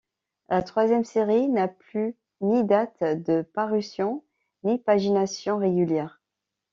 La troisième série n'a plus ni date de parution, ni pagination régulière.